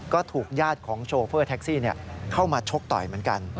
ก็ถูกญาติของโชเฟอร์แท็กซี่เข้ามาชกต่อยเหมือนกัน